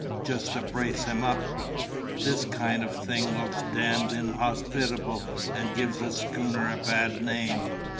just to brace him up. This kind of thing looks damned inhospitable, and gives a schooner a bad name."